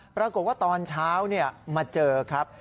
ปรากฏว่าตอนเช้ามาเจอครับ